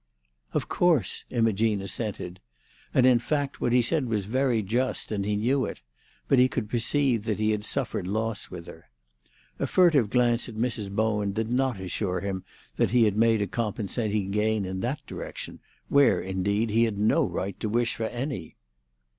"Of course," Imogene assented; and in fact what he said was very just, and he knew it; but he could perceive that he had suffered loss with her. A furtive glance at Mrs. Bowen did not assure him that he had made a compensating gain in that direction, where, indeed, he had no right to wish for any.